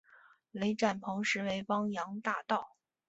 雷展鹏实为汪洋大盗。